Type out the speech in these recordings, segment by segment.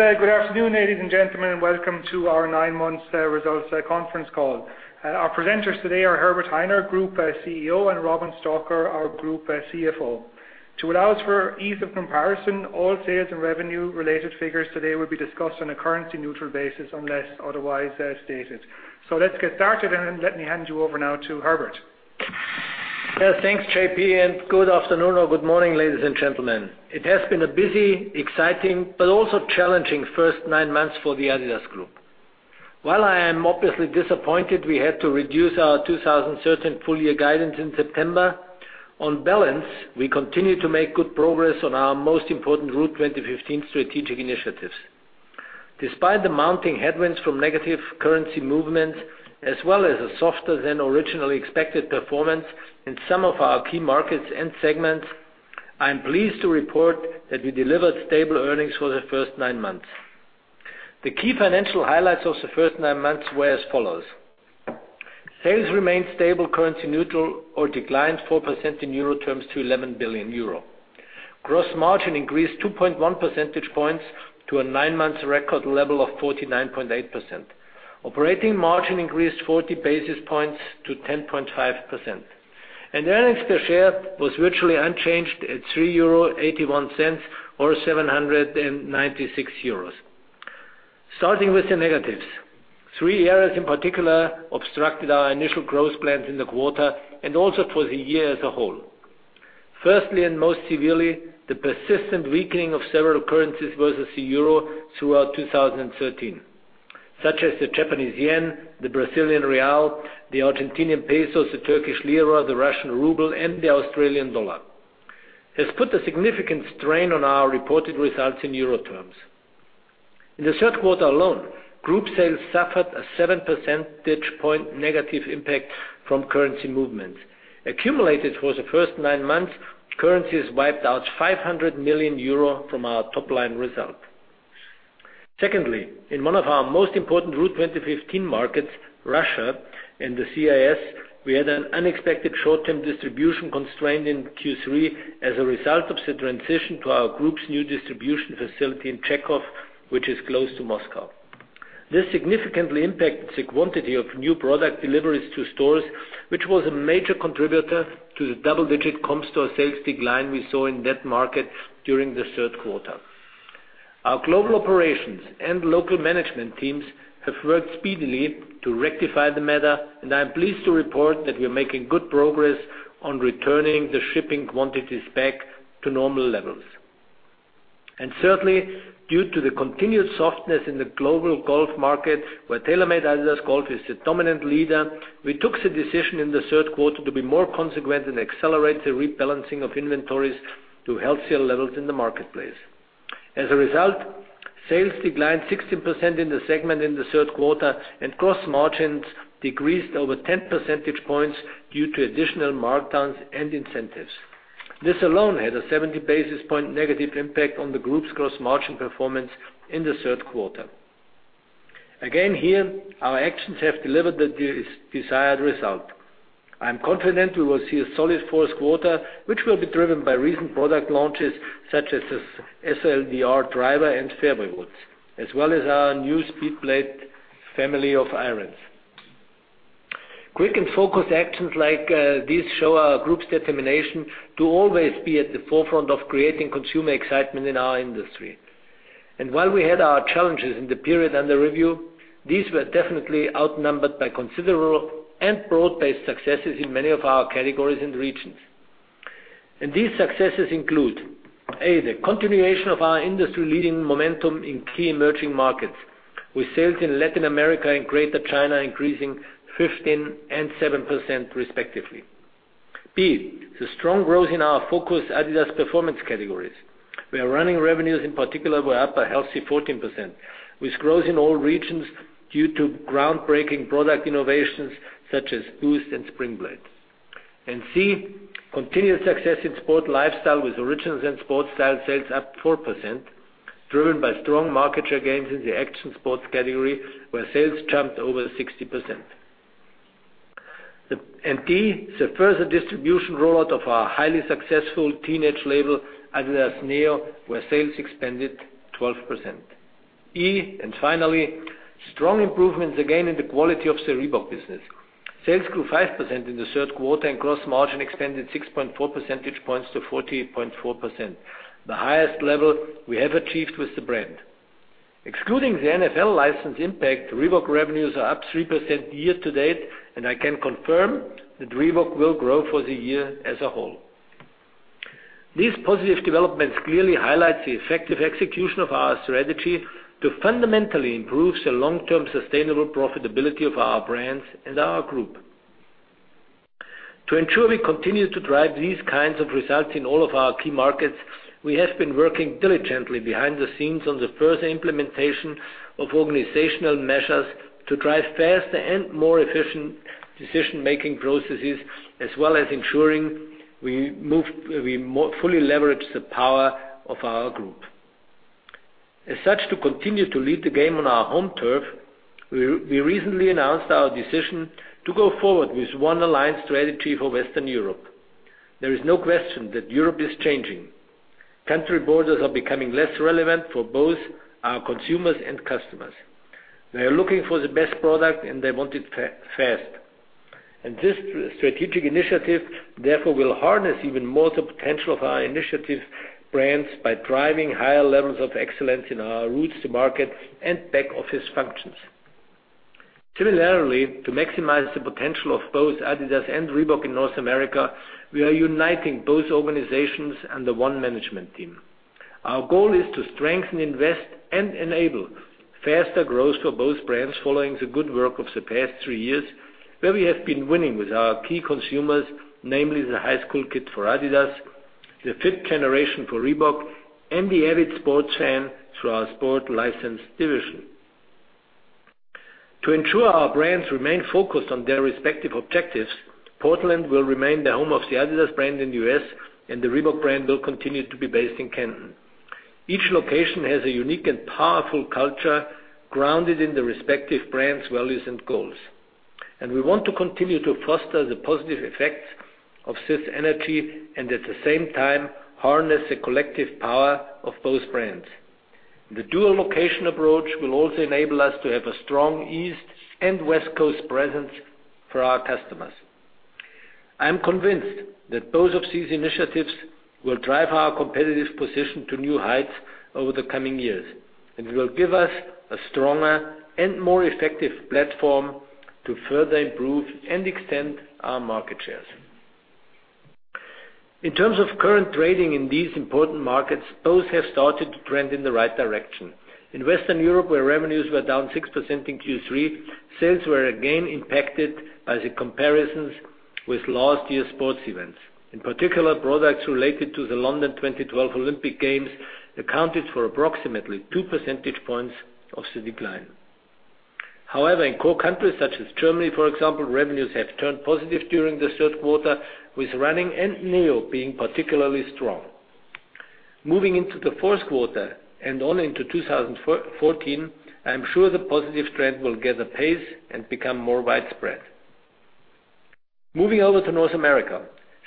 Good afternoon, ladies and gentlemen, and welcome to our nine months results conference call. Our presenters today are Herbert Hainer, Group CEO, and Robin Stalker, our Group CFO. To allow us for ease of comparison, all sales and revenue-related figures today will be discussed on a currency neutral basis unless otherwise stated. Let's get started, and let me hand you over now to Herbert. Thanks, J.P., good afternoon or good morning, ladies and gentlemen. It has been a busy, exciting, but also challenging first nine months for the adidas Group. While I am obviously disappointed we had to reduce our 2013 full year guidance in September, on balance, we continue to make good progress on our most important Route 2015 strategic initiatives. Despite the mounting headwinds from negative currency movements, as well as the softer than originally expected performance in some of our key markets and segments, I am pleased to report that we delivered stable earnings for the first nine months. The key financial highlights of the first nine months were as follows. Sales remained stable, currency neutral or declined 4% in euro terms to 11 billion euro. Gross margin increased 2.1 percentage points to a nine-month record level of 49.8%. Operating margin increased 40 basis points to 10.5%. Earnings per share was virtually unchanged at 3.81 euro or 796 euros. Starting with the negatives. Three areas in particular obstructed our initial growth plans in the quarter, and also for the year as a whole. Firstly, most severely, the persistent weakening of several currencies versus the euro throughout 2013, such as the Japanese yen, the Brazilian real, the Argentinian pesos, the Turkish lira, the Russian ruble, and the Australian dollar, has put a significant strain on our reported results in euro terms. In the third quarter alone, group sales suffered a 7% percentage point negative impact from currency movements. Accumulated for the first nine months, currencies wiped out 500 million euro from our top-line result. Secondly, in one of our most important Route 2015 markets, Russia and the CIS, we had an unexpected short-term distribution constraint in Q3 as a result of the transition to our group's new distribution facility in Chekhov, which is close to Moscow. This significantly impacted the quantity of new product deliveries to stores, which was a major contributor to the double-digit comp store sales decline we saw in that market during the third quarter. Our global operations and local management teams have worked speedily to rectify the matter, and I'm pleased to report that we're making good progress on returning the shipping quantities back to normal levels. Thirdly, due to the continued softness in the global golf market, where TaylorMade-adidas Golf is the dominant leader, we took the decision in the third quarter to be more consequent and accelerate the rebalancing of inventories to healthier levels in the marketplace. As a result, sales declined 16% in the segment in the third quarter, and gross margins decreased over 10 percentage points due to additional markdowns and incentives. This alone had a 70 basis point negative impact on the group's gross margin performance in the third quarter. Here, our actions have delivered the desired result. I am confident we will see a solid fourth quarter, which will be driven by recent product launches such as the SLDR Driver and fairway woods, as well as our new SpeedBlade family of irons. Quick and focused actions like these show our group's determination to always be at the forefront of creating consumer excitement in our industry. While we had our challenges in the period under review, these were definitely outnumbered by considerable and broad-based successes in many of our categories and regions. These successes include, A, the continuation of our industry-leading momentum in key emerging markets, with sales in Latin America and Greater China increasing 15% and 7% respectively. B, the strong growth in our focused adidas performance categories, where running revenues, in particular, were up a healthy 14%, with growth in all regions due to groundbreaking product innovations such as Boost and Springblade. C, continued success in Sport Style with Originals and Sport Style sales up 4%, driven by strong market share gains in the Action Sports category, where sales jumped over 60%. D, the further distribution rollout of our highly successful teenage label, adidas Neo, where sales expanded 12%. E, finally, strong improvements again in the quality of the Reebok business. Sales grew 5% in the third quarter, and gross margin expanded 6.4 percentage points to 48.4%, the highest level we have achieved with the brand. Excluding the NFL license impact, Reebok revenues are up 3% year to date, and I can confirm that Reebok will grow for the year as a whole. These positive developments clearly highlight the effective execution of our strategy to fundamentally improve the long-term sustainable profitability of our brands and our group. To ensure we continue to drive these kinds of results in all of our key markets, we have been working diligently behind the scenes on the further implementation of organizational measures to drive faster and more efficient decision-making processes, as well as ensuring we more fully leverage the power of our group. As such, to continue to lead the game on our home turf, we recently announced our decision to go forward with one aligned strategy for Western Europe. There is no question that Europe is changing. Country borders are becoming less relevant for both our consumers and customers. They are looking for the best product, and they want it fast. This strategic initiative, therefore, will harness even more the potential of our initiative brands by driving higher levels of excellence in our routes to market and back office functions. Similarly, to maximize the potential of both adidas and Reebok in North America, we are uniting both organizations under one management team. Our goal is to strengthen, invest, and enable faster growth for both brands following the good work of the past three years, where we have been winning with our key consumers, namely the high school kids for adidas, the fit generation for Reebok, and the avid sports fan through our Sport License Division. To ensure our brands remain focused on their respective objectives, Portland will remain the home of the adidas brand in the U.S., and the Reebok brand will continue to be based in Canton. Each location has a unique and powerful culture grounded in the respective brand's values and goals. We want to continue to foster the positive effects of this energy and, at the same time, harness the collective power of both brands. The dual location approach will also enable us to have a strong East and West Coast presence for our customers. I am convinced that both of these initiatives will drive our competitive position to new heights over the coming years, will give us a stronger and more effective platform to further improve and extend our market shares. In terms of current trading in these important markets, both have started to trend in the right direction. In Western Europe, where revenues were down 6% in Q3, sales were again impacted by the comparisons with last year's sports events. In particular, products related to the London 2012 Olympic Games accounted for approximately two percentage points of the decline. However, in core countries such as Germany, for example, revenues have turned positive during the third quarter, with running and Neo being particularly strong. Moving into the fourth quarter and on into 2014, I am sure the positive trend will gather pace and become more widespread. Moving over to North America,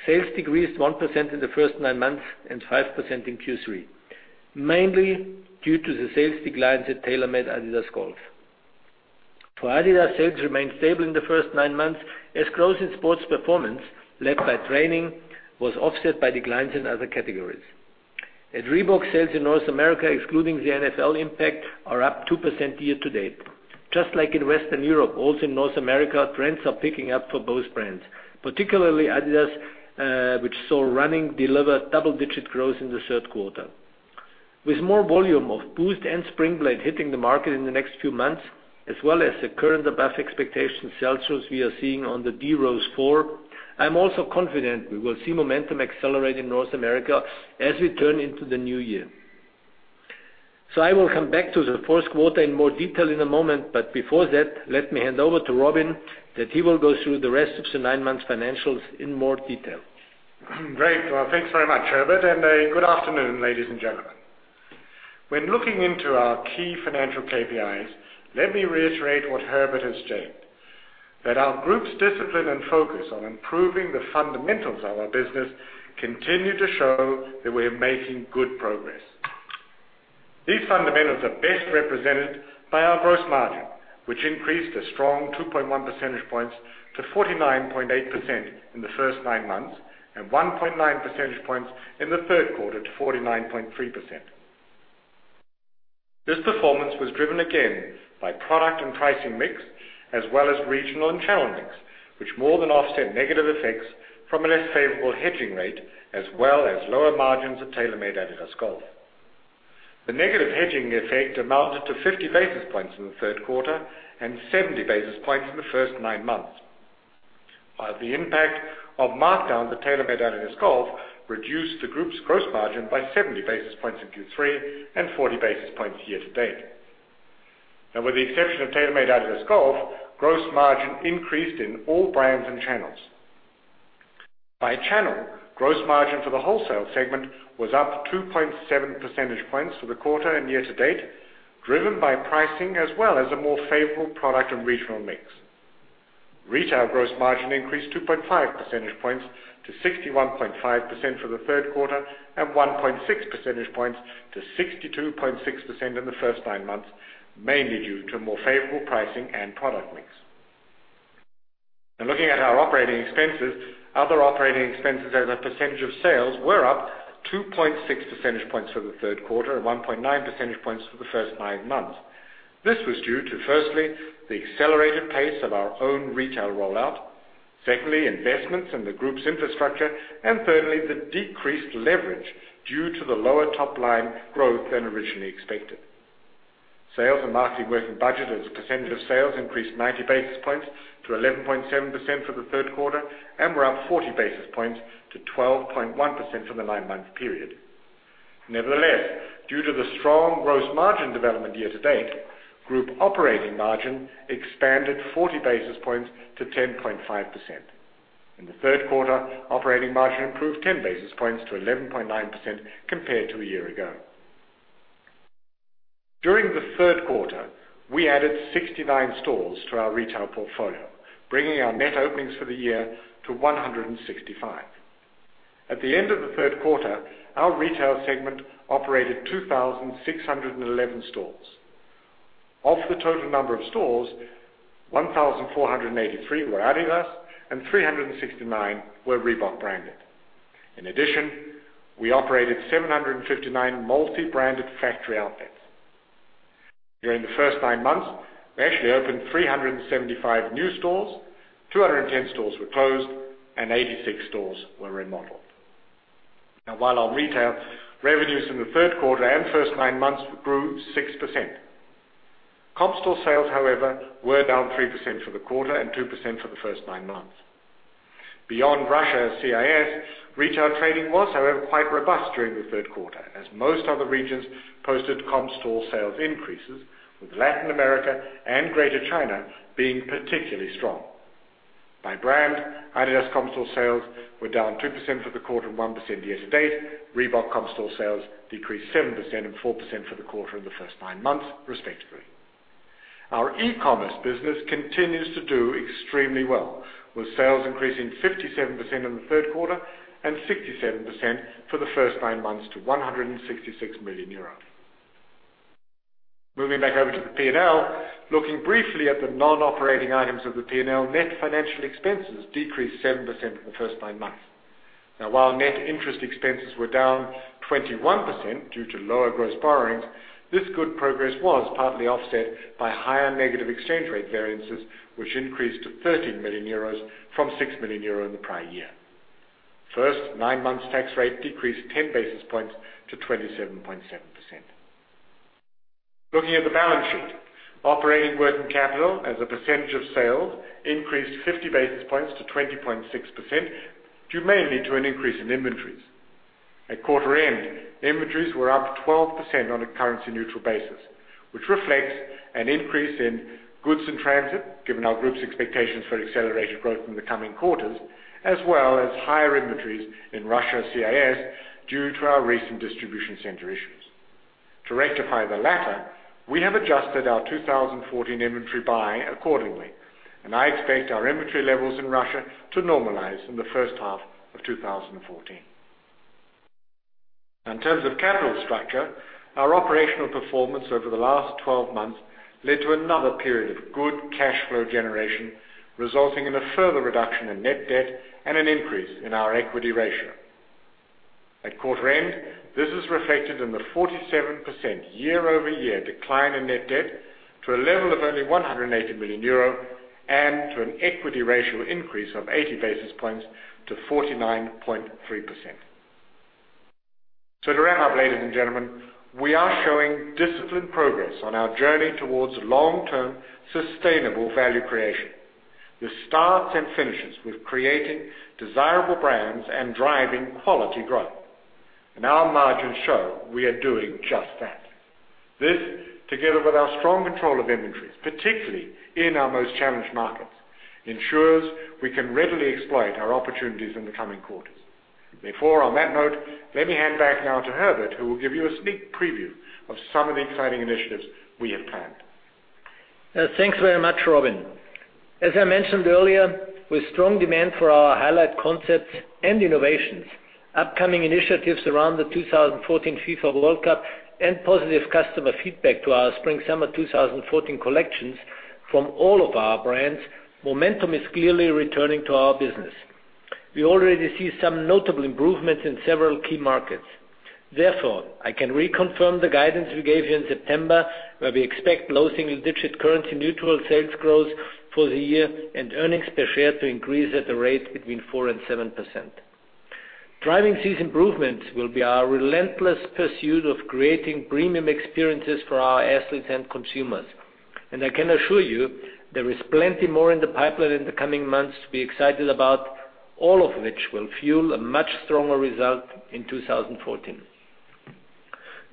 sales decreased 1% in the first nine months and 5% in Q3, mainly due to the sales declines at TaylorMade-adidas Golf. For adidas, sales remained stable in the first nine months as growth in sports performance, led by training, was offset by declines in other categories. At Reebok, sales in North America, excluding the NFL impact, are up 2% year-to-date. Just like in Western Europe, also in North America, trends are picking up for both brands, particularly adidas, which saw running deliver double-digit growth in the third quarter. With more volume of Boost and Springblade hitting the market in the next few months, as well as the current above expectation sales shows we are seeing on the D Rose 4, I am also confident we will see momentum accelerate in North America as we turn into the new year. I will come back to the fourth quarter in more detail in a moment, but before that, let me hand over to Robin, that he will go through the rest of the nine-month financials in more detail. Thanks very much, Herbert, and good afternoon, ladies and gentlemen. When looking into our key financial KPI, let me reiterate what Herbert has stated, that our group's discipline and focus on improving the fundamentals of our business continue to show that we are making good progress. These fundamentals are best represented by our gross margin, which increased a strong 2.1 percentage points to 49.8% in the first nine months, and 1.9 percentage points in the third quarter to 49.3%. This performance was driven again by product and pricing mix, as well as regional and channel mix, which more than offset negative effects from a less favorable hedging rate, as well as lower margins at TaylorMade-adidas Golf. The negative hedging effect amounted to 50 basis points in the third quarter and 70 basis points in the first nine months. While the impact of markdowns at TaylorMade-adidas Golf reduced the group's gross margin by 70 basis points in Q3 and 40 basis points year-to-date. With the exception of TaylorMade-adidas Golf, gross margin increased in all brands and channels. By channel, gross margin for the wholesale segment was up 2.7 percentage points for the quarter and year-to-date, driven by pricing as well as a more favorable product and regional mix. Retail gross margin increased 2.5 percentage points to 61.5% for the third quarter and 1.6 percentage points to 62.6% in the first nine months, mainly due to more favorable pricing and product mix. Looking at our operating expenses, other operating expenses as a percentage of sales were up 2.6 percentage points for the third quarter and 1.9 percentage points for the first nine months. This was due to, firstly, the accelerated pace of our own retail rollout, secondly, investments in the group's infrastructure, and thirdly, the decreased leverage due to the lower top-line growth than originally expected. Sales and marketing were from budget as a percentage of sales increased 90 basis points to 11.7% for the third quarter and were up 40 basis points to 12.1% for the nine-month period. Due to the strong gross margin development year-to-date, group operating margin expanded 40 basis points to 10.5%. In the third quarter, operating margin improved 10 basis points to 11.9% compared to a year ago. During the third quarter, we added 69 stores to our retail portfolio, bringing our net openings for the year to 165. At the end of the third quarter, our retail segment operated 2,611 stores. Of the total number of stores, 1,483 were adidas and 369 were Reebok branded. In addition, we operated 759 multi-branded factory outlets. During the first nine months, we actually opened 375 new stores, 210 stores were closed, and 86 stores were remodeled. While our retail revenues in the third quarter and first nine months grew 6%, comparable store sales, however, were down 3% for the quarter and 2% for the first nine months. Beyond Russia, CIS, retail trading was, however, quite robust during the third quarter, as most other regions posted comparable store sales increases, with Latin America and Greater China being particularly strong. By brand, adidas comparable store sales were down 2% for the quarter, 1% year-to-date. Reebok comparable store sales decreased 7% and 4% for the quarter and the first nine months, respectively. Our e-commerce business continues to do extremely well, with sales increasing 57% in the third quarter and 67% for the first nine months to 166 million euros. Moving back over to the P&L, looking briefly at the non-operating items of the P&L, net financial expenses decreased 7% for the first nine months. While net interest expenses were down 21% due to lower gross borrowings, this good progress was partly offset by higher negative exchange rate variances, which increased to 13 million euros from 6 million euros in the prior year. First nine months tax rate decreased 10 basis points to 27.7%. Looking at the balance sheet, operating working capital as a percentage of sales increased 50 basis points to 20.6%, due mainly to an increase in inventories. At quarter end, inventories were up 12% on a currency-neutral basis, which reflects an increase in goods in transit, given our group's expectations for accelerated growth in the coming quarters, as well as higher inventories in Russia, CIS, due to our recent distribution center issues. To rectify the latter, we have adjusted our 2014 inventory buy accordingly. I expect our inventory levels in Russia to normalize in the first half of 2014. In terms of capital structure, our operational performance over the last 12 months led to another period of good cash flow generation, resulting in a further reduction in net debt and an increase in our equity ratio. At quarter end, this is reflected in the 47% year-over-year decline in net debt to a level of only 180 million euro and to an equity ratio increase of 80 basis points to 49.3%. To wrap up, ladies and gentlemen, we are showing disciplined progress on our journey towards long-term sustainable value creation. This starts and finishes with creating desirable brands and driving quality growth, and our margins show we are doing just that. This, together with our strong control of inventories, particularly in our most challenged markets, ensures we can readily exploit our opportunities in the coming quarters. On that note, let me hand back now to Herbert, who will give you a sneak preview of some of the exciting initiatives we have planned. Thanks very much, Robin. As I mentioned earlier, with strong demand for our highlight concepts and innovations, upcoming initiatives around the 2014 FIFA World Cup, and positive customer feedback to our Spring-Summer 2014 collections from all of our brands, momentum is clearly returning to our business. We already see some notable improvements in several key markets. I can reconfirm the guidance we gave you in September, where we expect low single-digit currency neutral sales growth for the year and earnings per share to increase at a rate between 4% and 7%. Driving these improvements will be our relentless pursuit of creating premium experiences for our athletes and consumers. I can assure you there is plenty more in the pipeline in the coming months to be excited about, all of which will fuel a much stronger result in 2014.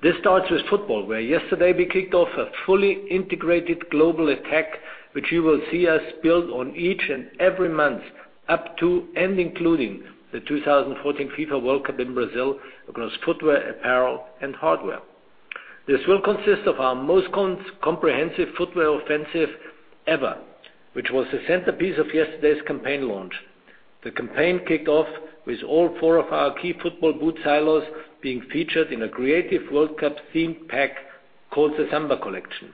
This starts with football, where yesterday we kicked off a fully integrated global attack, which you will see us build on each and every month up to and including the 2014 FIFA World Cup in Brazil across footwear, apparel, and hardware. This will consist of our most comprehensive footwear offensive ever, which was the centerpiece of yesterday's campaign launch. The campaign kicked off with all four of our key football boot silos being featured in a creative World Cup-themed pack called the Samba Collection.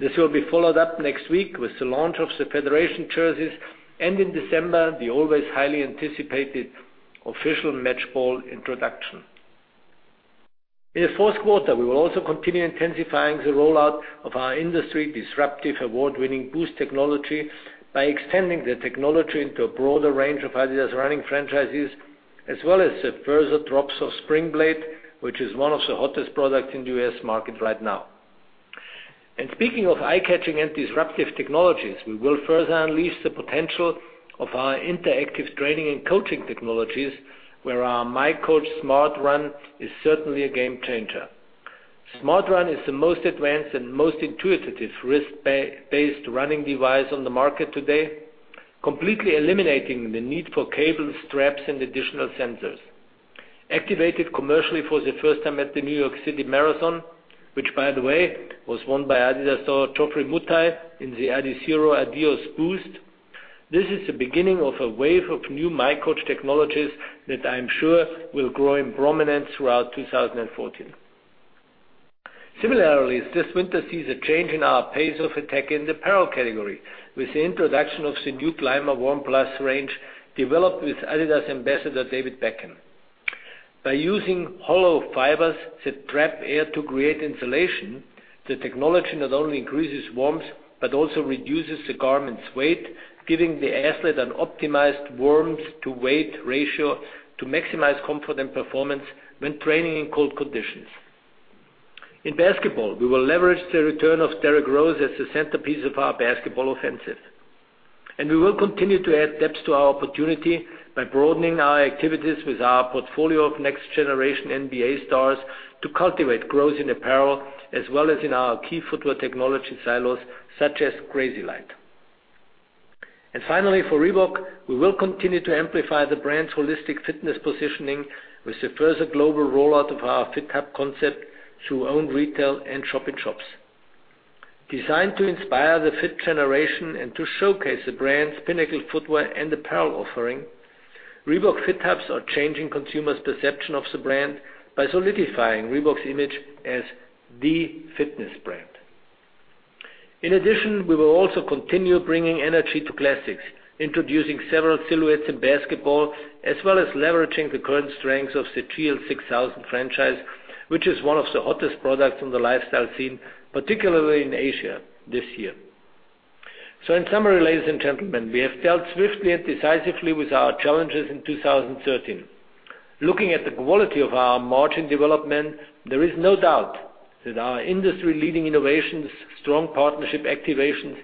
This will be followed up next week with the launch of the Federation jerseys. In December, the always highly anticipated official match ball introduction. In the fourth quarter, we will also continue intensifying the rollout of our industry-disruptive award-winning Boost technology by extending the technology into a broader range of adidas running franchises, as well as the further drops of Springblade, which is one of the hottest products in the U.S. market right now. Speaking of eye-catching and disruptive technologies, we will further unleash the potential of our interactive training and coaching technologies, where our miCoach Smart Run is certainly a game changer. Smart Run is the most advanced and most intuitive wrist-based running device on the market today, completely eliminating the need for cables, straps, and additional sensors. Activated commercially for the first time at the New York City Marathon, which by the way, was won by adidas star Geoffrey Mutai in the Adizero Adios Boost. This is the beginning of a wave of new miCoach technologies that I'm sure will grow in prominence throughout 2014. Similarly, this winter sees a change in our pace of attack in the apparel category with the introduction of the new Climawarm+ range, developed with adidas ambassador David Beckham. By using hollow fibers that trap air to create insulation, the technology not only increases warmth but also reduces the garment's weight, giving the athlete an optimized warmth-to-weight ratio to maximize comfort and performance when training in cold conditions. In basketball, we will leverage the return of Derrick Rose as the centerpiece of our basketball offensive. We will continue to add depth to our opportunity by broadening our activities with our portfolio of next-generation NBA stars to cultivate growth in apparel as well as in our key footwear technology silos such as Crazylight. Finally, for Reebok, we will continue to amplify the brand's holistic fitness positioning with the further global rollout of our Fit Hub concept through owned retail and shop-in-shops. Designed to inspire the fit generation and to showcase the brand's pinnacle footwear and apparel offering, Reebok Fit Hubs are changing consumers' perception of the brand by solidifying Reebok's image as the fitness brand. In addition, we will also continue bringing energy to classics, introducing several silhouettes in basketball, as well as leveraging the current strengths of the Trail 6000 franchise, which is one of the hottest products on the lifestyle scene, particularly in Asia this year. In summary, ladies and gentlemen, we have dealt swiftly and decisively with our challenges in 2013. Looking at the quality of our margin development, there is no doubt that our industry-leading innovations, strong partnership activations,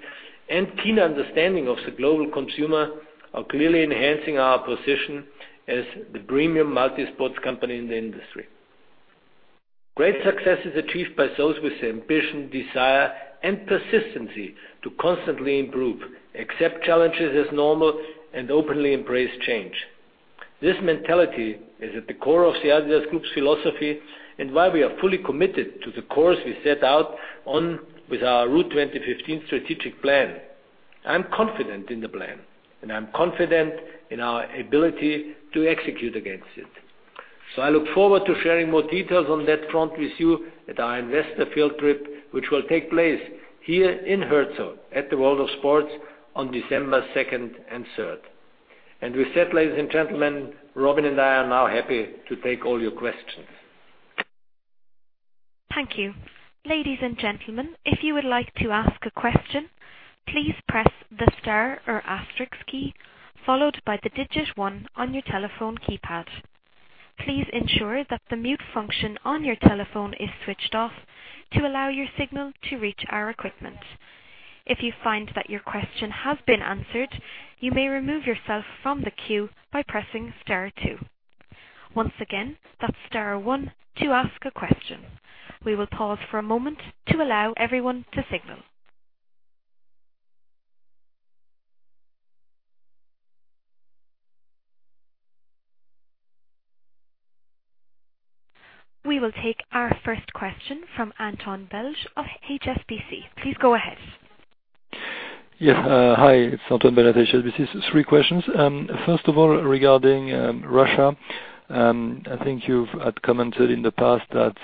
and keen understanding of the global consumer are clearly enhancing our position as the premium multi-sports company in the industry. Great success is achieved by those with the ambition, desire, and persistency to constantly improve, accept challenges as normal, and openly embrace change. This mentality is at the core of the adidas Group's philosophy and why we are fully committed to the course we set out on with our Route 2015 strategic plan. I'm confident in the plan, and I'm confident in our ability to execute against it. I look forward to sharing more details on that front with you at our investor field trip, which will take place here in Herzog, at the World of Sports, on December 2nd and 3rd. With that, ladies and gentlemen, Robin and I are now happy to take all your questions. Thank you. Ladies and gentlemen, if you would like to ask a question, please press the star or asterisk key, followed by the digit 1 on your telephone keypad. Please ensure that the mute function on your telephone is switched off to allow your signal to reach our equipment. If you find that your question has been answered, you may remove yourself from the queue by pressing star 2. Once again, that's star 1 to ask a question. We will pause for a moment to allow everyone to signal. We will take our first question from Anton Belch of HSBC. Please go ahead. Yes. Hi, it's Anton Belch at HSBC. Three questions. First of all, regarding Russia, I think you had commented in the past that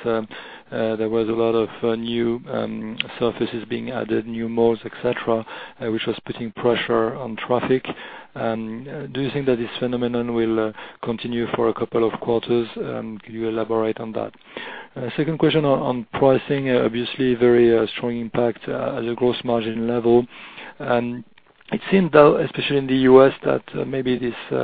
there was a lot of new surfaces being added, new malls, et cetera, which was putting pressure on traffic. Do you think that this phenomenon will continue for a couple of quarters? Could you elaborate on that? Second question on pricing. Obviously, a very strong impact at the gross margin level. It seemed, though, especially in the U.S., that maybe this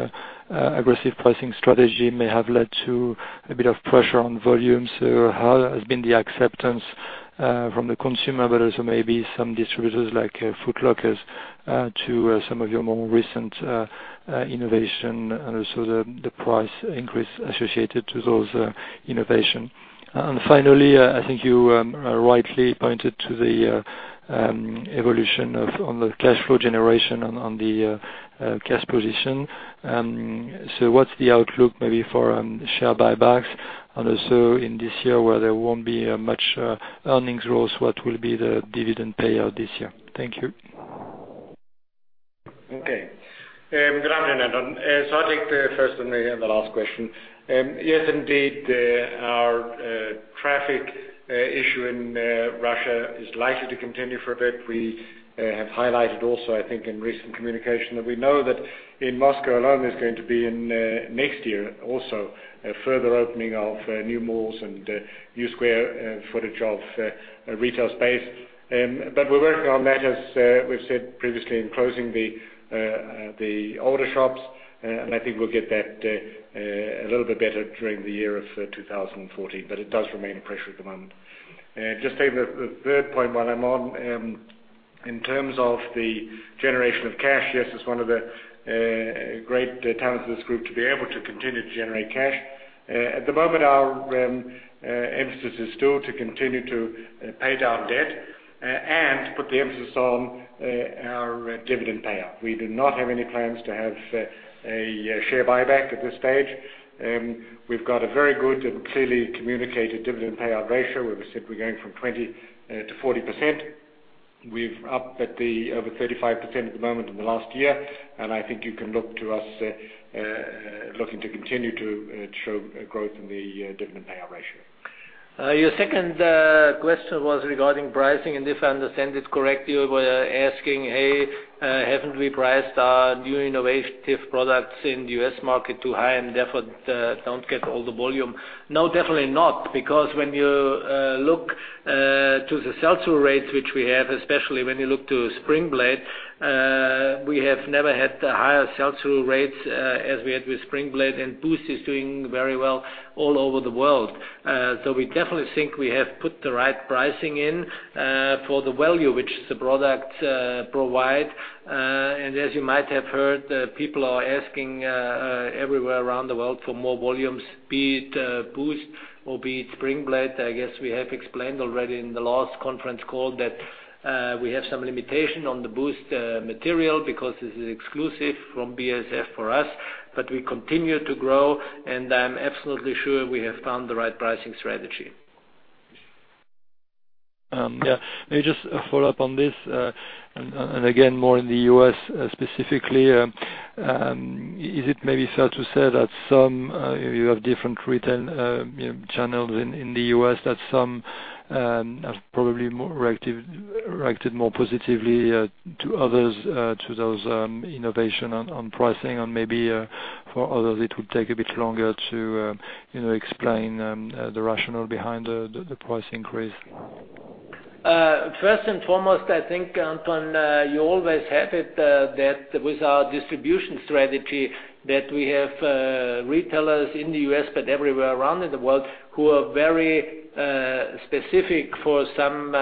aggressive pricing strategy may have led to a bit of pressure on volumes. How has been the acceptance from the consumer, but also maybe some distributors like Foot Locker to some of your more recent innovation and also the price increase associated to those innovation? Finally, I think you rightly pointed to the evolution on the cash flow generation on the cash position. What's the outlook maybe for share buybacks and also in this year where there won't be much earnings growth, what will be the dividend payout this year? Thank you. Good afternoon, Anton. I'll take the first and the last question. Yes, indeed, our traffic issue in Russia is likely to continue for a bit. We have highlighted also, I think, in recent communication that we know that in Moscow alone, there's going to be in next year also a further opening of new malls and new square footage of retail space. We're working on that, as we've said previously, in closing the older shops. I think we'll get that a little bit better during the year of 2014. It does remain a pressure at the moment. Just staying with the third point while I'm on In terms of the generation of cash, yes, it's one of the great talents of this group to be able to continue to generate cash. At the moment, our emphasis is still to continue to pay down debt and put the emphasis on our dividend payout. We do not have any plans to have a share buyback at this stage. We've got a very good and clearly communicated dividend payout ratio, where we said we're going from 20% to 40%. We're up at over 35% at the moment in the last year, and I think you can look to us looking to continue to show growth in the dividend payout ratio. Your second question was regarding pricing, if I understand it correctly, you were asking, hey, haven't we priced our new innovative products in the U.S. market too high and therefore don't get all the volume? No, definitely not. When you look to the sell-through rates which we have, especially when you look to Springblade, we have never had higher sell-through rates as we had with Springblade, Boost is doing very well all over the world. We definitely think we have put the right pricing in for the value which the products provide. As you might have heard, people are asking everywhere around the world for more volumes, be it Boost or be it Springblade. I guess we have explained already in the last conference call that we have some limitation on the Boost material because this is exclusive from BASF for us. We continue to grow, and I'm absolutely sure we have found the right pricing strategy. May I just follow up on this? Again, more in the U.S. specifically. Is it maybe fair to say that you have different retail channels in the U.S., that some have probably reacted more positively to others to those innovation on pricing and maybe for others, it would take a bit longer to explain the rationale behind the price increase? First and foremost, I think, Anton, you always have it that with our distribution strategy that we have retailers in the U.S. but everywhere around in the world who are very specific for some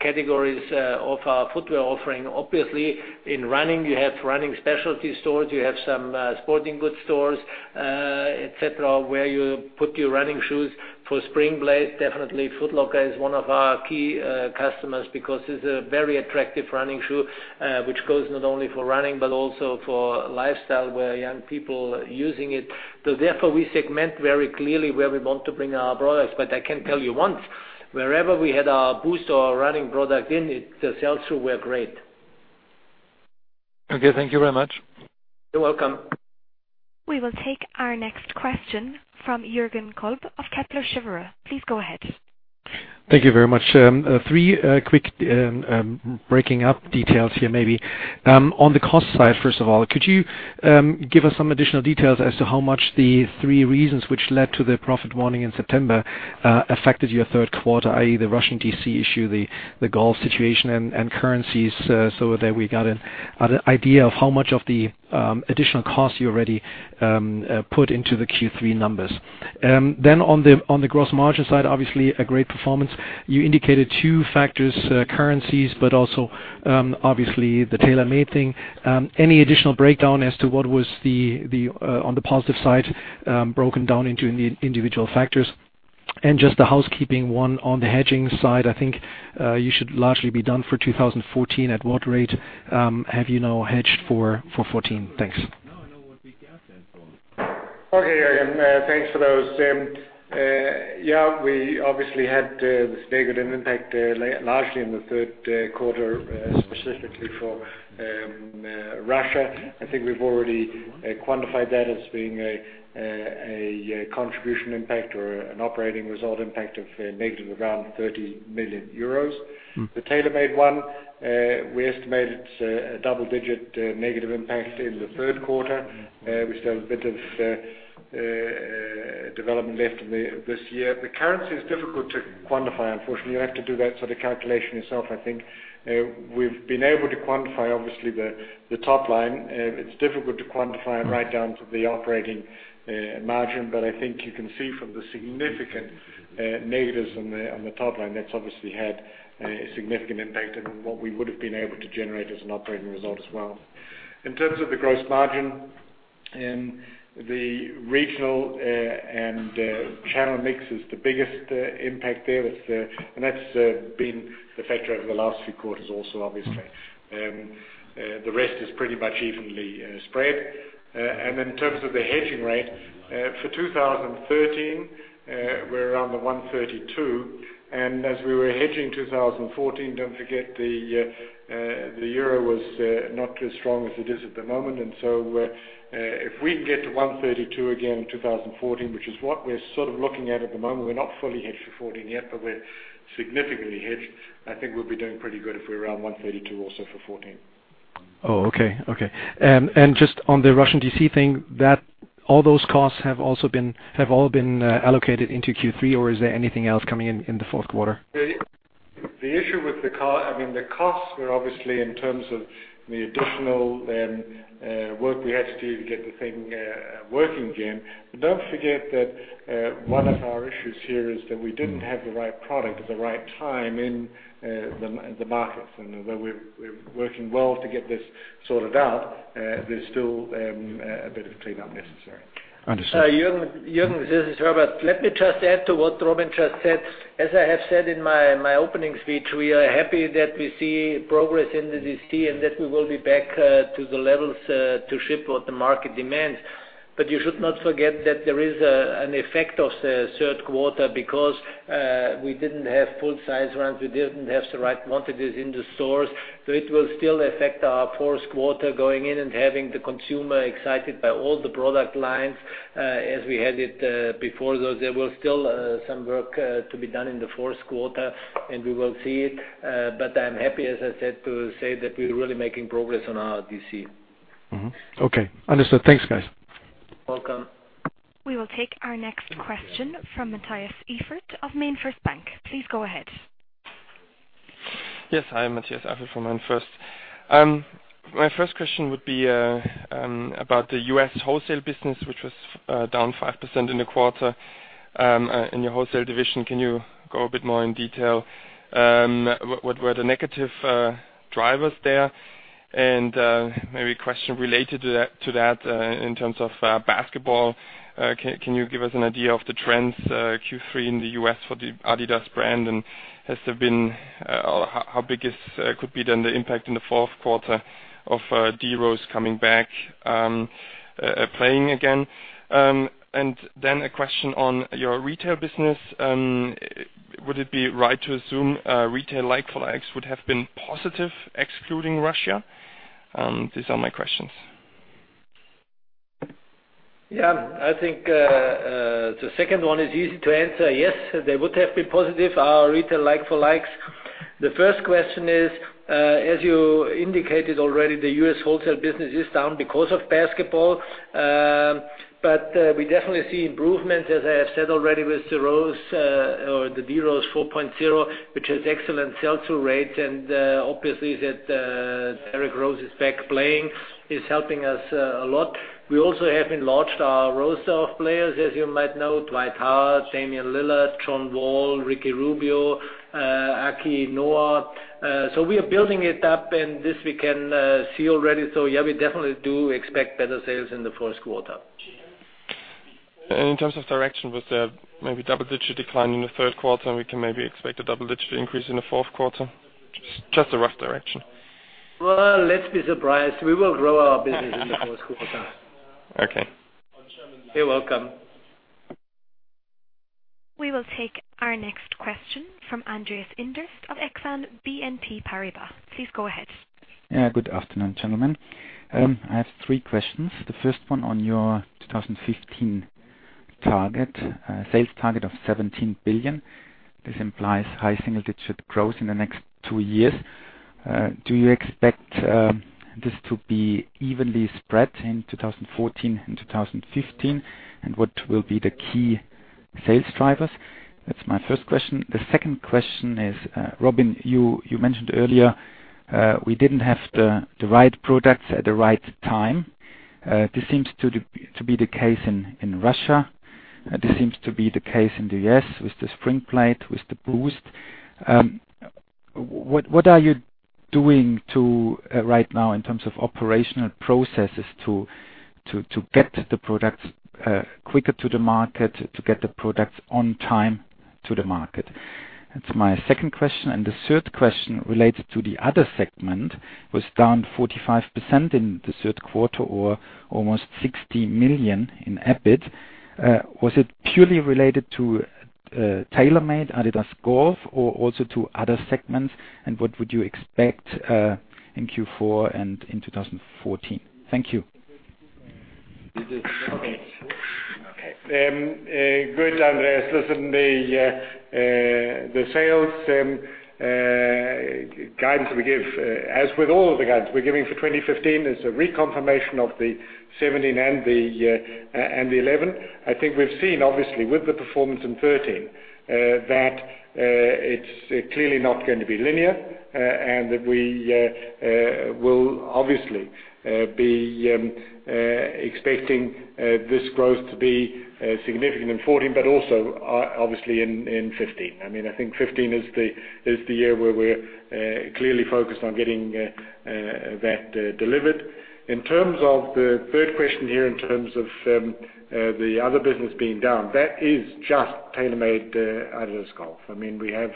categories of our footwear offering. Obviously, in running, you have running specialty stores, you have some sporting goods stores, et cetera, where you put your running shoes. For Springblade, definitely Foot Locker is one of our key customers because it's a very attractive running shoe which goes not only for running but also for lifestyle, where young people are using it. Therefore, we segment very clearly where we want to bring our products. I can tell you once, wherever we had our Boost or our running product in, the sell-through were great. Okay. Thank you very much. You're welcome. We will take our next question from Jürgen Kolb of Kepler Cheuvreux. Please go ahead. Thank you very much. Three quick breaking up details here, maybe. On the cost side, first of all, could you give us some additional details as to how much the three reasons which led to the profit warning in September affected your third quarter, i.e., the Russian DC issue, the golf situation, and currencies, so that we got an idea of how much of the additional cost you already put into the Q3 numbers? On the gross margin side, obviously a great performance. You indicated two factors, currencies, but also obviously the TaylorMade thing. Any additional breakdown as to what was on the positive side, broken down into individual factors? Just a housekeeping one on the hedging side. I think you should largely be done for 2014. At what rate have you now hedged for 2014? Thanks. Okay, Jürgen. Thanks for those. Yeah, we obviously had this negative impact largely in the third quarter, specifically for Russia. I think we've already quantified that as being a contribution impact or an operating result impact of negative around 30 million euros. The TaylorMade one, we estimated a double-digit negative impact in the third quarter. We still have a bit of development left in this year. The currency is difficult to quantify, unfortunately. You have to do that sort of calculation yourself, I think. We've been able to quantify, obviously, the top line. It's difficult to quantify right down to the operating margin. I think you can see from the significant negatives on the top line, that's obviously had a significant impact on what we would have been able to generate as an operating result as well. In terms of the gross margin, the regional and channel mix is the biggest impact there. That's been the factor over the last few quarters also, obviously. The rest is pretty much evenly spread. In terms of the hedging rate, for 2013, we're around the 132. As we were hedging 2014, don't forget the euro was not as strong as it is at the moment. If we can get to 132 again in 2014, which is what we're sort of looking at at the moment, we're not fully hedged for 2014 yet, but we're significantly hedged. I think we'll be doing pretty good if we're around 132 also for 2014. Okay. Just on the Russian DC thing, all those costs have all been allocated into Q3, or is there anything else coming in in the fourth quarter? The issue with the costs were obviously in terms of the additional work we had to do to get the thing working again. Don't forget that one of our issues here is that we didn't have the right product at the right time in the markets. Although we're working well to get this sorted out, there's still a bit of cleanup necessary. Understood. Jürgen, this is Herbert. Let me just add to what Robin just said. As I have said in my opening speech, we are happy that we see progress in the DC and that we will be back to the levels to ship what the market demands. You should not forget that there is an effect of the third quarter because we didn't have full size runs, we didn't have the right quantities in the stores. It will still affect our fourth quarter going in and having the consumer excited by all the product lines as we had it before. There will still some work to be done in the fourth quarter and we will see it. I'm happy, as I said, to say that we're really making progress on our DC. Okay, understood. Thanks, guys. Welcome. We will take our next question from Mathias Eifert of MainFirst Bank. Please go ahead. Yes. Hi, Mathias Eifert from MainFirst. My first question would be about the U.S. wholesale business, which was down 5% in the quarter, in your wholesale division. Can you go a bit more in detail? What were the negative drivers there? Maybe a question related to that, in terms of basketball, can you give us an idea of the trends Q3 in the U.S. for the adidas brand, and how big could be then the impact in the fourth quarter of D Rose coming back, playing again? A question on your retail business. Would it be right to assume retail like-for-likes would have been positive excluding Russia? These are my questions. I think, the second one is easy to answer. Yes, they would have been positive, our retail like-for-likes. The first question is, as you indicated already, the U.S. wholesale business is down because of basketball. We definitely see improvement, as I have said already, with the D Rose 4.0, which has excellent sell-through rates and, obviously, that Derrick Rose is back playing is helping us a lot. We also have enlarged our roster of players, as you might know, Dwight Howard, Damian Lillard, John Wall, Ricky Rubio, Joakim Noah. We are building it up, and this we can see already. We definitely do expect better sales in the first quarter. In terms of direction, was there maybe double-digit decline in the third quarter? We can maybe expect a double-digit increase in the fourth quarter? Just a rough direction. Well, let's be surprised. We will grow our business in the fourth quarter. Okay. You're welcome. We will take our next question from Andreas Inderst of Exane BNP Paribas. Please go ahead. Good afternoon, gentlemen. I have three questions. The first one on your 2015 sales target of 17 billion. This implies high single-digit growth in the next two years. Do you expect this to be evenly spread in 2014 and 2015? What will be the key sales drivers? That's my first question. The second question is, Robin, you mentioned earlier, we didn't have the right products at the right time. This seems to be the case in Russia. This seems to be the case in the U.S. with the Springblade, with the Boost. What are you doing right now in terms of operational processes to get the products quicker to the market, to get the products on time to the market? That's my second question. The third question related to the other segment was down 45% in the third quarter or almost 60 million in EBIT. Was it purely related to TaylorMade-adidas Golf, or also to other segments? What would you expect in Q4 and in 2014? Thank you. Good, Andreas. Listen, the sales guidance we give, as with all of the guidance we're giving for 2015, is a reconfirmation of the 17 and the 11. I think we've seen, obviously, with the performance in 2013, that it's clearly not going to be linear, that we will obviously be expecting this growth to be significant in 2014, but also, obviously, in 2015. I think 2015 is the year where we're clearly focused on getting that delivered. In terms of the third question here, in terms of the other business being down, that is just TaylorMade-adidas Golf. We have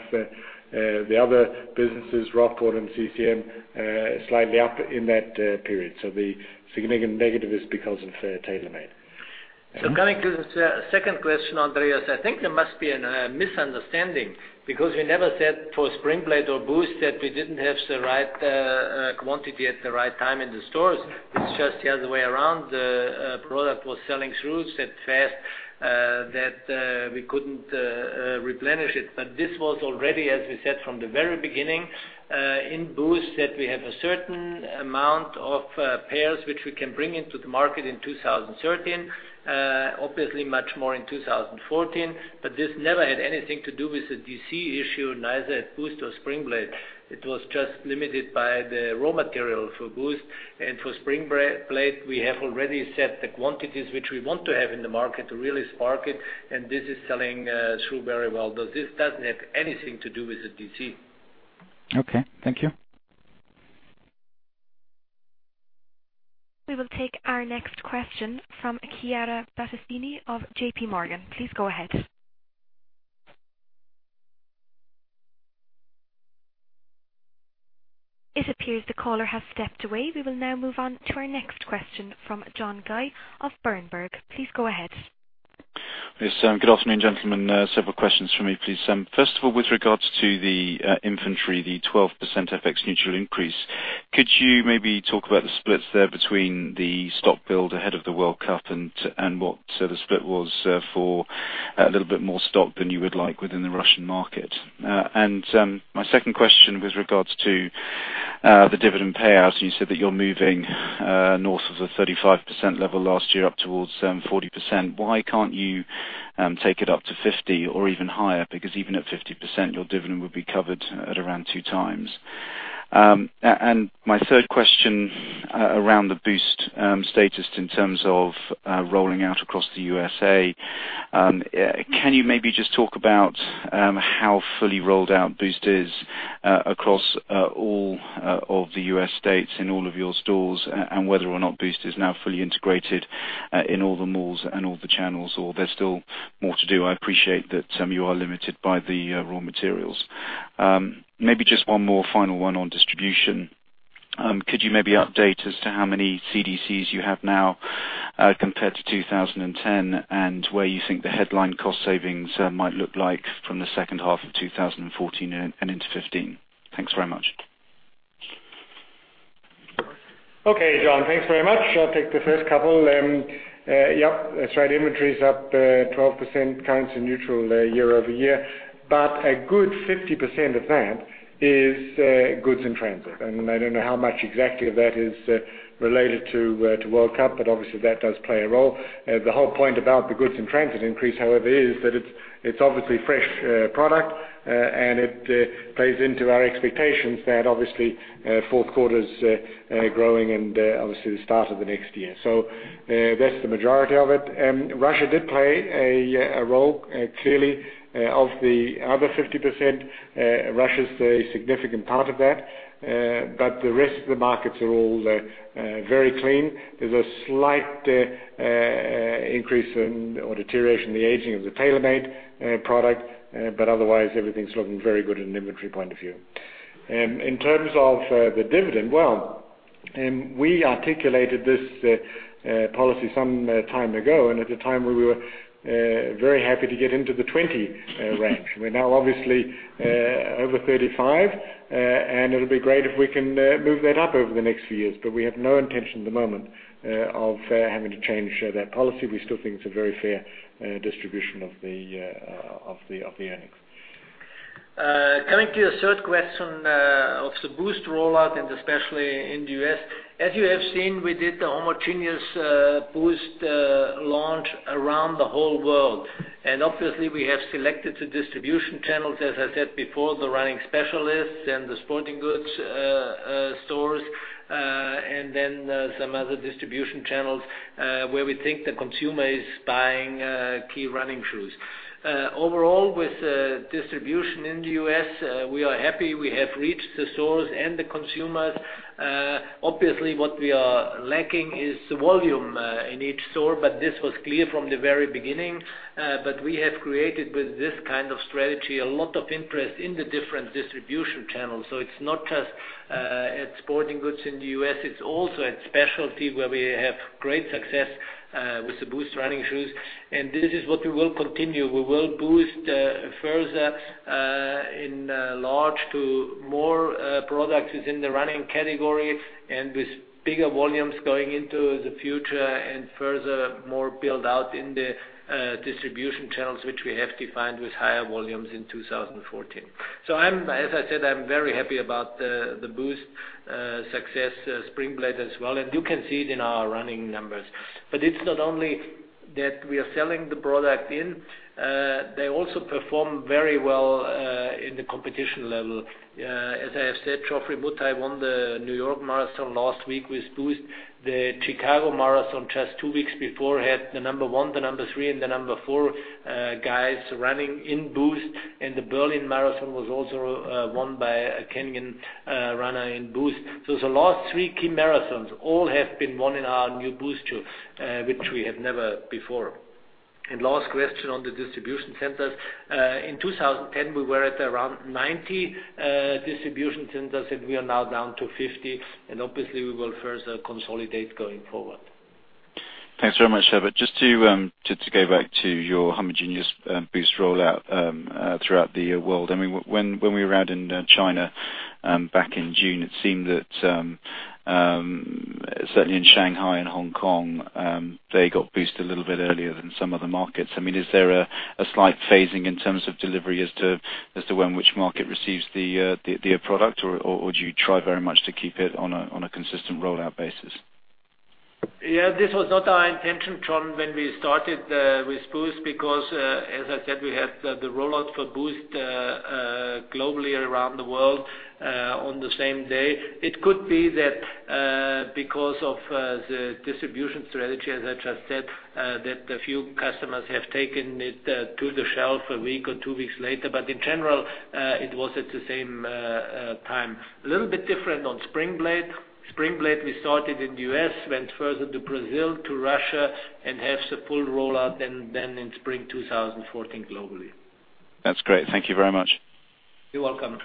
the other businesses, Rockport and CCM, slightly up in that period. The significant negative is because of TaylorMade. Coming to the second question, Andreas. I think there must be a misunderstanding because we never said for Springblade or Boost that we didn't have the right quantity at the right time in the stores. It's just the other way around. The product was selling through so fast that we couldn't replenish it. This was already, as we said from the very beginning, in Boost, that we have a certain amount of pairs which we can bring into the market in 2013. Obviously much more in 2014. This never had anything to do with the DC issue, neither at Boost or Springblade. It was just limited by the raw material for Boost and for Springblade, we have already set the quantities which we want to have in the market to really spark it, this is selling through very well, though this doesn't have anything to do with the DC. Okay. Thank you. We will take our next question from Chiara Battestini of JPMorgan. Please go ahead. It appears the caller has stepped away. We will now move on to our next question from John Guy of Berenberg. Please go ahead. Yes, good afternoon, gentlemen. Several questions from me, please. First of all, with regards to the inventory, the 12% FX neutral increase, could you maybe talk about the splits there between the stock build ahead of the World Cup and what the split was for a little bit more stock than you would like within the Russian market? My second question with regards to the dividend payouts, you said that you're moving north of the 35% level last year up towards 40%. Why can't you take it up to 50% or even higher? Because even at 50%, your dividend would be covered at around two times. My third question around the Boost status in terms of rolling out across the USA. Can you maybe just talk about how fully rolled out Boost is across all of the U.S. states in all of your stores, and whether or not Boost is now fully integrated in all the malls and all the channels, or there's still more to do? I appreciate that you are limited by the raw materials. Maybe just one more final one on distribution. Could you maybe update us to how many CDC you have now compared to 2010 and where you think the headline cost savings might look like from the second half of 2014 and into 2015? Thanks very much. Okay, John, thanks very much. I'll take the first couple. Yep, that's right. Inventory is up 12% currency neutral year-over-year. A good 50% of that is goods in transit. I don't know how much exactly of that is related to World Cup, obviously that does play a role. The whole point about the goods in transit increase, however, is that it's obviously fresh product, and it plays into our expectations that obviously fourth quarter's growing and obviously the start of the next year. That's the majority of it. Russia did play a role clearly of the other 50%. Russia's a significant part of that. The rest of the markets are all very clean. There's a slight increase or deterioration in the aging of the TaylorMade product, otherwise everything's looking very good in an inventory point of view. In terms of the dividend, we articulated this policy some time ago, and at the time we were very happy to get into the 20 range. We're now obviously over 35, and it'll be great if we can move that up over the next few years. We have no intention at the moment of having to change that policy. We still think it's a very fair distribution of the earnings. Coming to your third question of the Boost rollout and especially in the U.S. As you have seen, we did the homogeneous Boost launch around the whole world. Obviously we have selected the distribution channels, as I said before, the running specialists and the sporting goods stores, some other distribution channels, where we think the consumer is buying key running shoes. Overall, with distribution in the U.S., we are happy we have reached the stores and the consumers. Obviously, what we are lacking is the volume in each store, this was clear from the very beginning. We have created, with this kind of strategy, a lot of interest in the different distribution channels. It's not just at sporting goods in the U.S., it's also at specialty where we have great success with the Boost running shoes, and this is what we will continue. We will boost further in large to more products within the running category and with bigger volumes going into the future and further more build out in the distribution channels, which we have defined with higher volumes in 2014. As I said, I'm very happy about the Boost success, Springblade as well, and you can see it in our running numbers. It's not only that we are selling the product in, they also perform very well in the competition level. As I have said, Geoffrey Mutai won the New York Marathon last week with Boost. The Chicago Marathon just two weeks before had the number one, the number three, and the number four guys running in Boost, and the Berlin Marathon was also won by a Kenyan runner in Boost. The last three key marathons all have been won in our new Boost shoes, which we have never before. Last question on the distribution centers. In 2010, we were at around 90 distribution centers, and we are now down to 50, and obviously we will further consolidate going forward. Thanks very much, Herbert. Just to go back to your homogeneous Boost rollout throughout the world. When we were out in China back in June, it seemed that, certainly in Shanghai and Hong Kong, they got Boost a little bit earlier than some other markets. Is there a slight phasing in terms of delivery as to when which market receives the product, or do you try very much to keep it on a consistent rollout basis? Yeah. This was not our intention, John, when we started with Boost because, as I said, we had the rollout for Boost globally around the world on the same day. It could be that because of the distribution strategy, as I just said, that a few customers have taken it to the shelf a week or two weeks later. But in general, it was at the same time. A little bit different on Springblade. Springblade, we started in the U.S., went further to Brazil, to Russia, and have the full rollout then in spring 2014 globally. That's great. Thank you very much. You're welcome.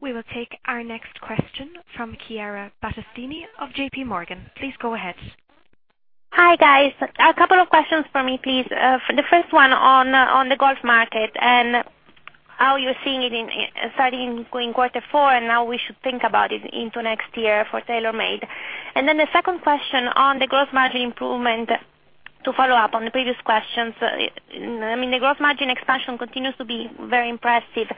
We will take our next question from Chiara Battestini of JP Morgan. Please go ahead. Hi, guys. A couple of questions from me, please. The first one on the golf market and how you're seeing it starting in quarter four, and how we should think about it into next year for TaylorMade. The second question on the gross margin improvement to follow up on the previous questions. The gross margin expansion continues to be very impressive.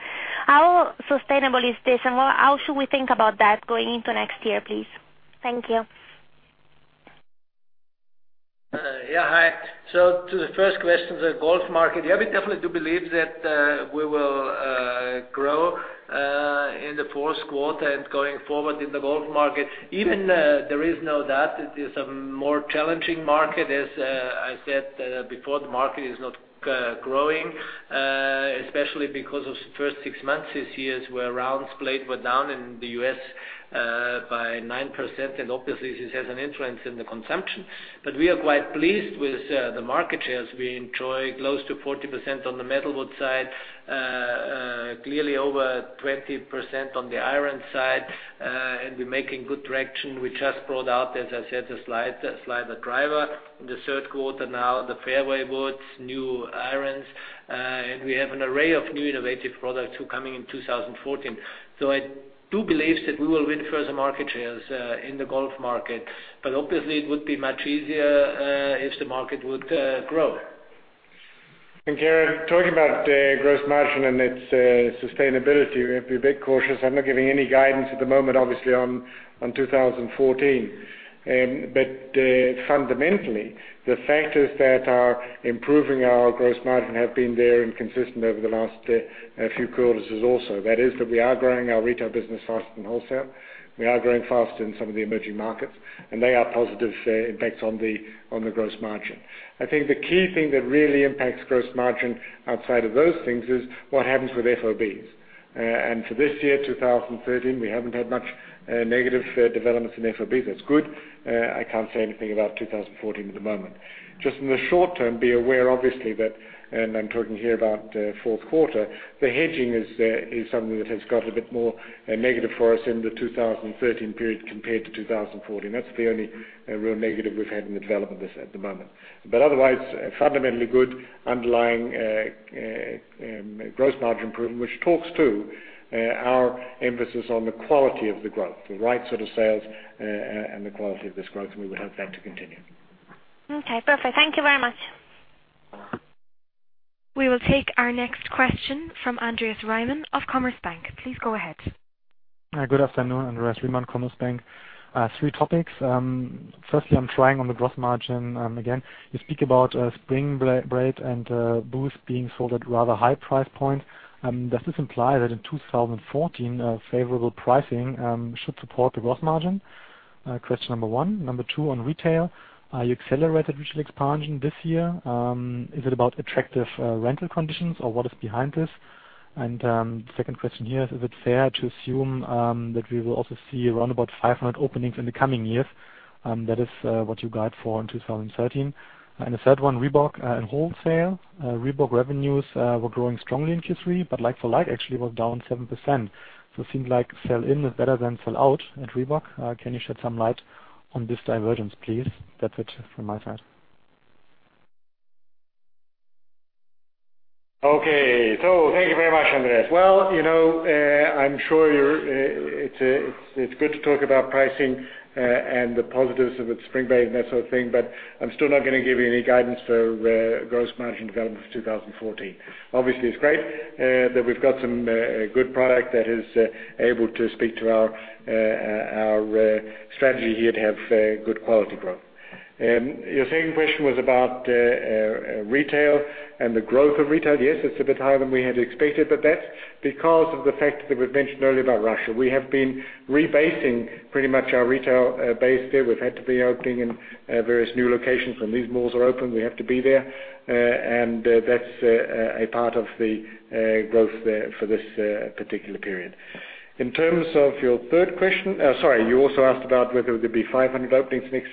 How sustainable is this, and how should we think about that going into next year, please? Thank you. Yeah. Hi. To the first question, the golf market. Yeah, we definitely do believe that we will grow in the fourth quarter and going forward in the golf market. Even there is no doubt it is a more challenging market. As I said before, the market is not growing, especially because of the first six months this year where rounds played were down in the U.S. by 9%, and obviously this has an influence in the consumption. We are quite pleased with the market shares. We enjoy close to 40% on the metalwood side, clearly over 20% on the iron side, and we're making good traction. We just brought out, as I said, the SLDR Driver in the third quarter, now the fairway woods, new irons, and we have an array of new innovative products coming in 2014. I do believe that we will win further market shares in the golf market, but obviously, it would be much easier if the market would grow. Chiara, talking about gross margin and its sustainability, we have to be a bit cautious. I'm not giving any guidance at the moment, obviously, on 2014. Fundamentally, the factors that are improving our gross margin have been there and consistent over the last few quarters also. That is, that we are growing our retail business faster than wholesale. We are growing faster in some of the emerging markets, and they are positive impacts on the gross margin. I think the key thing that really impacts gross margin outside of those things is what happens with FOB. For this year, 2013, we haven't had much negative developments in FOB. That's good. I can't say anything about 2014 at the moment. Just in the short term, be aware, obviously, that, and I'm talking here about fourth quarter, the hedging is something that has got a bit more negative for us in the 2013 period compared to 2014. That's the only real negative we've had in the development of this at the moment. Otherwise, fundamentally good underlying gross margin improvement, which talks to our emphasis on the quality of the growth, the right sort of sales and the quality of this growth, and we would hope that to continue. Okay, perfect. Thank you very much. We will take our next question from Andreas Riemann of Commerzbank. Please go ahead. Good afternoon. Andreas Riemann, Commerzbank. Three topics. Firstly, I'm trying on the gross margin again. You speak about Springblade and Boost being sold at rather high price points. Does this imply that in 2014, favorable pricing should support the gross margin? Question number one. Number two, on retail. You accelerated retail expansion this year. Is it about attractive rental conditions, or what is behind this? Second question here, is it fair to assume that we will also see around about 500 openings in the coming years? That is what you guide for in 2013. The third one, Reebok and wholesale. Reebok revenues were growing strongly in Q3, but like for like, actually was down 7%. It seems like sell in is better than sell out at Reebok. Can you shed some light on this divergence, please? That's it from my side. Thank you very much, Andreas. I'm sure it's good to talk about pricing and the positives of Springblade and that sort of thing, but I'm still not going to give you any guidance for gross margin development for 2014. It's great that we've got some good product that is able to speak to our strategy here to have good quality growth. Your second question was about retail and the growth of retail. Yes, it's a bit higher than we had expected, but that's because of the fact that we've mentioned earlier about Russia. We have been rebasing pretty much our retail base there. We've had to be opening in various new locations. When these malls are open, we have to be there, and that's a part of the growth there for this particular period. In terms of your third question, sorry, you also asked about whether there would be 500 openings next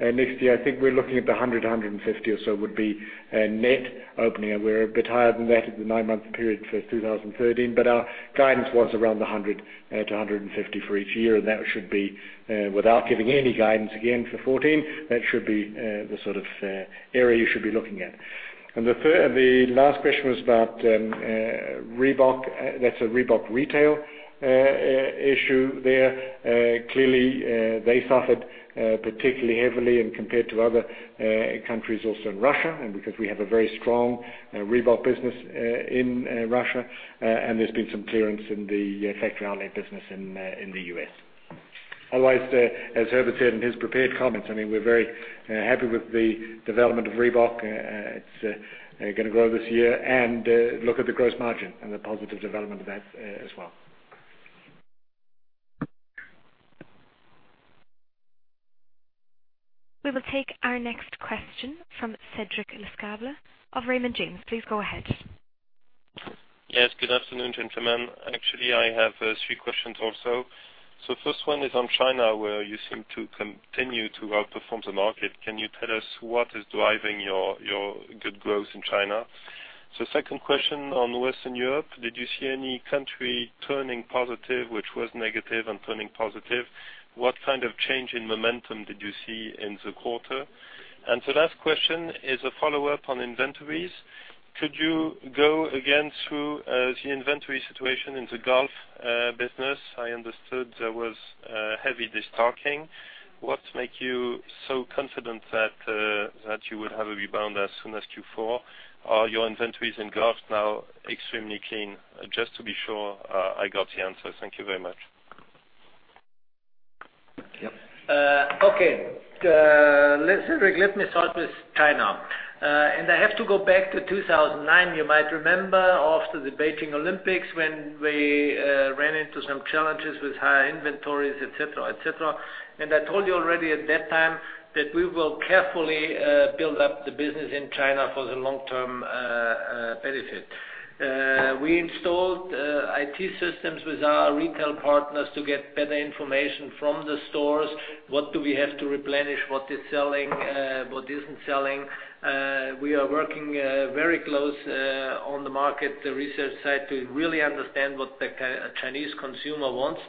year. I think we're looking at 100 to 150 or so would be a net opening. We're a bit higher than that at the nine-month period for 2013, but our guidance was around 100 to 150 for each year. That should be, without giving any guidance again for 2014, that should be the sort of area you should be looking at. The last question was about Reebok. That's a Reebok retail issue there. Clearly, they suffered particularly heavily and compared to other countries, also in Russia, and because we have a very strong Reebok business in Russia. There's been some clearance in the factory outlet business in the U.S. Otherwise, as Herbert said in his prepared comments, we're very happy with the development of Reebok. It's going to grow this year, look at the gross margin and the positive development of that as well. We will take our next question from Cédric Lecasble of Raymond James. Please go ahead. Yes, good afternoon, gentlemen. Actually, I have three questions also. The first one is on China, where you seem to continue to outperform the market. Can you tell us what is driving your good growth in China? Second question on Western Europe, did you see any country turning positive, which was negative and turning positive? What kind of change in momentum did you see in the quarter? The last question is a follow-up on inventories. Could you go again through the inventory situation in the golf business? I understood there was heavy destocking. What makes you so confident that you would have a rebound as soon as Q4? Are your inventories in golf now extremely clean? Just to be sure I got the answer. Thank you very much. Yep. Okay. Cedric, let me start with China, I have to go back to 2009. You might remember after the Beijing Olympics when we ran into some challenges with high inventories, et cetera. I told you already at that time that we will carefully build up the business in China for the long-term benefit. We installed IT systems with our retail partners to get better information from the stores. What do we have to replenish, what is selling, what isn't selling. We are working very close on the market research side to really understand what the Chinese consumer wants.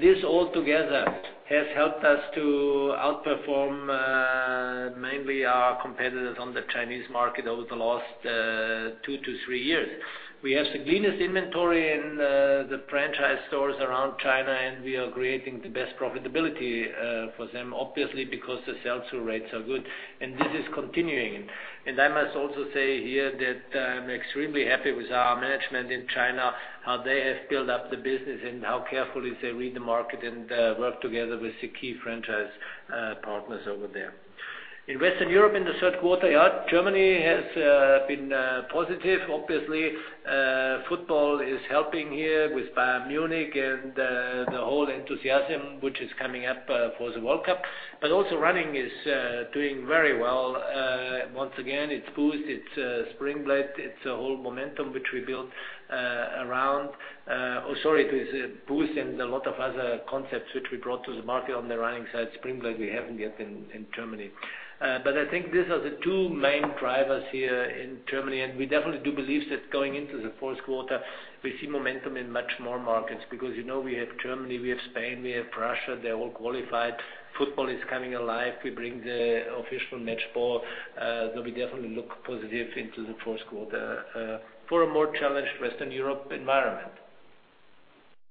This all together has helped us to outperform mainly our competitors on the Chinese market over the last two to three years. We have the greenest inventory in the franchise stores around China, we are creating the best profitability for them, obviously because the sell-through rates are good. This is continuing. I must also say here that I'm extremely happy with our management in China, how they have built up the business and how carefully they read the market and work together with the key franchise partners over there. In Western Europe in the third quarter, Germany has been positive. Obviously, football is helping here with Bayern Munich and the whole enthusiasm which is coming up for the World Cup. Also running is doing very well. Once again, it's Boost, it's Springblade, it's a whole momentum which we built around. It is Boost and a lot of other concepts which we brought to the market on the running side. Springblade we haven't yet in Germany. I think these are the two main drivers here in Germany, and we definitely do believe that going into the fourth quarter, we see momentum in much more markets. We have Germany, we have Spain, we have Russia. They all qualified. Football is coming alive. We bring the official match ball. We definitely look positive into the fourth quarter for a more challenged Western Europe environment.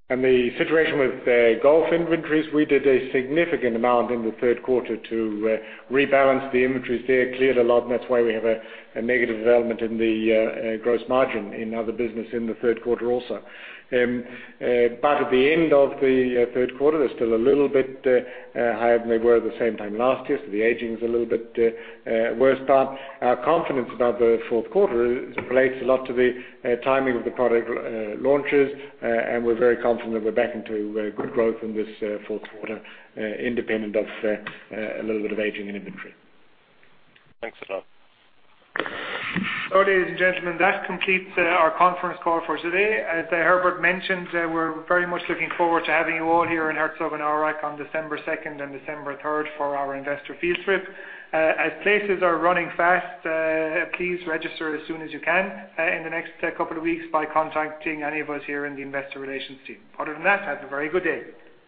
The situation with golf inventories, we did a significant amount in the third quarter to rebalance the inventories there, cleared a lot, and that's why we have a negative development in the gross margin in other business in the third quarter also. At the end of the third quarter, they're still a little bit higher than they were at the same time last year. The aging is a little bit worse, but our confidence about the fourth quarter relates a lot to the timing of the product launches. We're very confident we're back into good growth in this fourth quarter, independent of a little bit of aging in inventory. Thanks a lot. Ladies and gentlemen, that completes our conference call for today. As Herbert mentioned, we're very much looking forward to having you all here in Herzogenaurach on December 2nd and December 3rd for our investor field trip. As places are running fast, please register as soon as you can in the next couple of weeks by contacting any of us here in the investor relations team. Other than that, have a very good day.